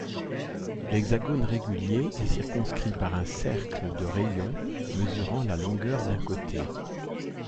L'hexagone régulier est circonscrit par un cercle de rayon mesurant la longueur d'un côté.